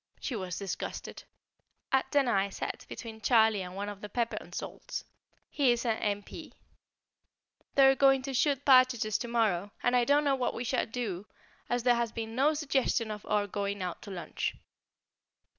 She was disgusted. At dinner I sat between Charlie and one of the pepper and salts he is a M.P. They are going to shoot partridges to morrow; and I don't know what we shall do, as there has been no suggestion of our going out to lunch.